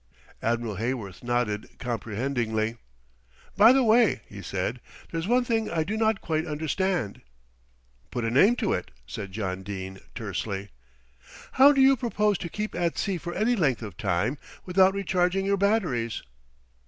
Admiral Heyworth nodded comprehendingly. "By the way," he said, "there's one thing I do not quite understand." "Put a name to it," said John Dene tersely. "How do you propose to keep at sea for any length of time without recharging your batteries?"